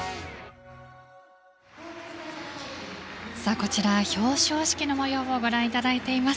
こちら表彰式の模様をご覧いただいています。